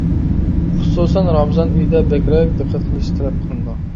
خۇسۇسەن رامىزان ئېيىدا بەكرەك دىققەت قىلىش تەلەپ قىلىنىدۇ.